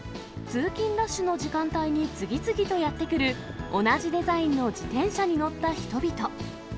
通勤ラッシュの時間帯に次々とやって来る、同じデザインの自転車に乗った人々。